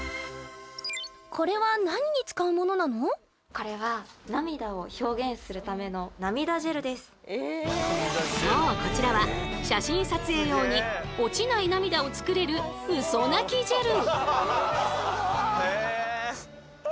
これはそうこちらは写真撮影用に落ちない涙を作れるウソ泣きジェル。